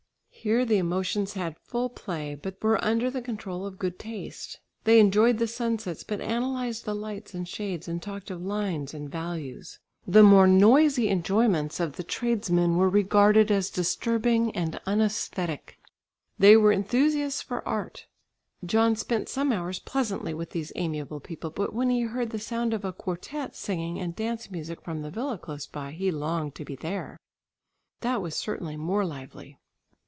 Here the emotions had full play, but were under the control of good taste. They enjoyed the sunsets, but analysed the lights and shades and talked of lines and "values." The more noisy enjoyments of the tradesmen were regarded as disturbing and unæsthetic. They were enthusiasts for art. John spent some hours pleasantly with these amiable people, but when he heard the sound of quartette singing and dance music from the villa close by, he longed to be there. That was certainly more lively.